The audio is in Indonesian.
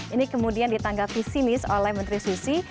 ini kemudian ditanggapi sinis oleh menteri susi